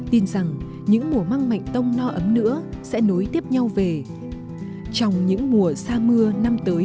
tin rằng những mùa măng mạnh tông no ấm nữa sẽ nối tiếp nhau về trong những mùa xa mưa năm tới